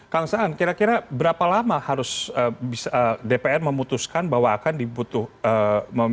kang saan kira kira berapa lama harus dpr memutuskan bahwa akan dibutuhkan